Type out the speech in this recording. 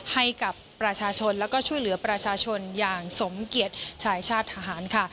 ให้กับประชาชนแล้วก็ช่วยเหลือประชาชนอย่างสมเกียจชายชาติทหารค่ะ